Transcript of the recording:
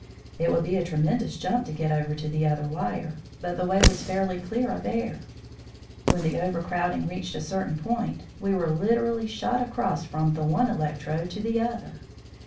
It would be a tremendous jump to get over to the other wire, but the way was fairly clear of air. When the overcrowding reached a certain point we were literally shot across from the one electrode to the other.